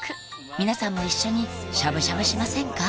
皆さんも一緒にしゃぶしゃぶしませんか？